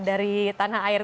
dari tanah air